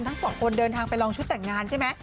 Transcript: ทั้งสองคนเดินทางไปลองชุดแต่งงานใช่ไหม